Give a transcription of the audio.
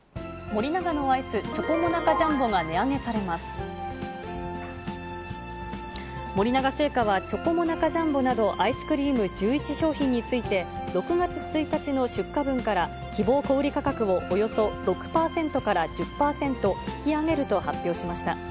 森永製菓は、チョコモナカジャンボなどアイスクリーム１１商品について、６月１日の出荷分から、希望小売り価格をおよそ６％から１０％引き上げると発表しました。